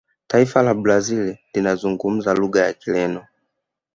taifa la brazil linazungumza lugha ya kireno